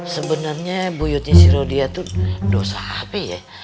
sebenernya buyutnya si rodia tuh dosa apa ya